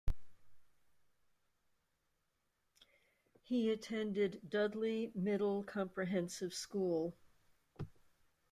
He attended Dudley Middle Comprehensive School.